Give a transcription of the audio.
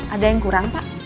ada yang kurang pak